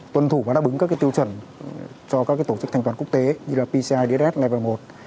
tuân thủ và đáp ứng các cái tiêu chuẩn cho các cái tổ chức thanh toán quốc tế như là pci dss level một